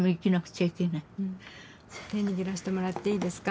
手握らせてもらっていいですか？